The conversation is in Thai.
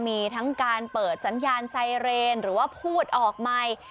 มีทั้งการเปิดสัญญาณไซเรนหรือว่าพูดออกใหม่